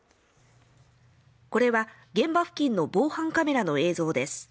これは現場付近の防犯カメラの映像です